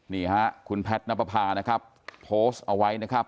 นี่ค่ะคุณแพทนับภาพนะครับ